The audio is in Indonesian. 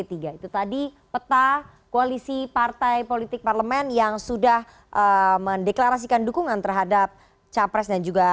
itu tadi peta koalisi partai politik parlemen yang sudah mendeklarasikan dukungan terhadap capres dan juga